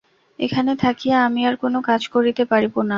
এখানে থাকিয়া আমি আর কোনো কাজ করিতে পারিব না।